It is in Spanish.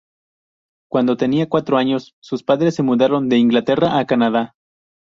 Cuando tenía cuatro años, sus padres se mudaron de Inglaterra a Canadá.